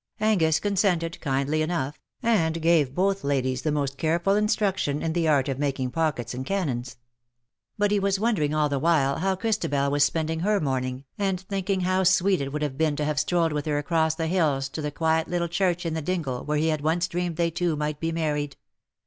Angus con sented, kindly enough, and gave both ladies the most careful instruction in the art of making 224: " BUT IT SUFFICETH^ pockets and cannons ; but lie was wondering all the while how Christabel was spending her morning, and thinking how sweet it would have been to have strolled with her across the hills to the quiet little church in the dingle where he had once dreamed they two might be married.